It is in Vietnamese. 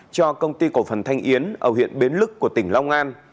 cho công ty cổ phần thanh yến ở huyện bến lức của tỉnh long an